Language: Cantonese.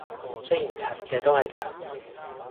雖然柒嘅都係柒